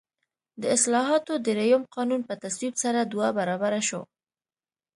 د اصلاحاتو درېیم قانون په تصویب سره دوه برابره شو.